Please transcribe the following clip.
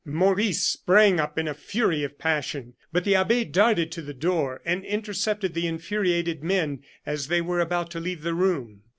Maurice sprang up in a fury of passion, but the abbe darted to the door and intercepted the infuriated men as they were about to leave the room.